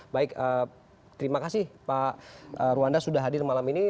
baik terima kasih pak ruanda sudah hadir malam ini